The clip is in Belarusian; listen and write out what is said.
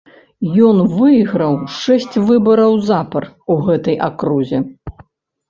Ён выйграў шэсць выбараў запар у гэтай акрузе.